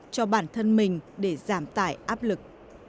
cho bản thân mình để giảm tải áp lực